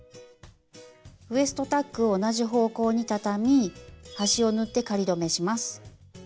ウエストタックを同じ方向に畳み端を縫って仮留めします。